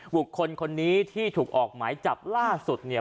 บุคคลคนนี้ที่ถูกออกหมายจับล่าสุดเนี่ย